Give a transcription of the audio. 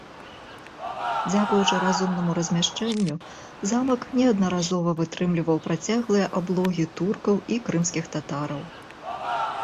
Дзякуючы разумнаму размяшчэнню замак неаднаразова вытрымліваў працяглыя аблогі туркаў і крымскіх татараў.